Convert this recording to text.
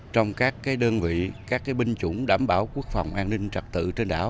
trong các đơn vị các binh chủng đảm bảo quốc phòng an ninh trật tự